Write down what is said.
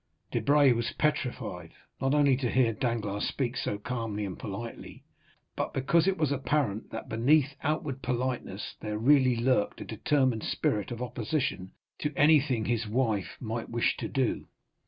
Debray was petrified, not only to hear Danglars speak so calmly and politely, but because it was apparent that beneath outward politeness there really lurked a determined spirit of opposition to anything his wife might wish to do.